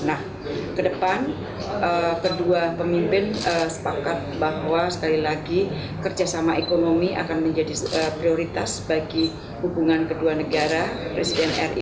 nah ke depan kedua pemimpin sepakat bahwa sekali lagi kerjasama ekonomi akan menjadi prioritas bagi hubungan kedua negara presiden ri